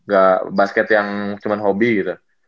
gak basket yang cuman hobi gitu